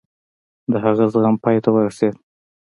د هغه زغم پای ته ورسېد.